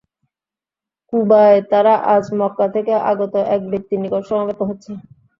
কুবায় তারা আজ মক্কা থেকে আগত এক ব্যক্তির নিকট সমবেত হচ্ছে।